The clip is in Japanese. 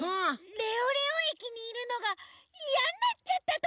レオレオ駅にいるのがいやになっちゃったとか？